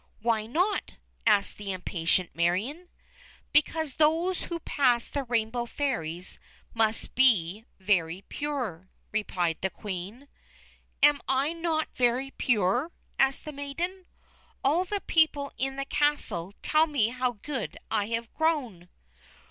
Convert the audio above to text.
"Why not?" asked the impatient Marion. "Because those who pass the Rainbow Fairies must be very pure," replied the Queen. "Am I not very pure?" asked the maiden. "All the people in the castle tell me how good I have grown."